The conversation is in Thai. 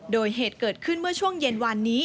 โดยเหตุเกิดขึ้นเมื่อช่วงเย็นวานนี้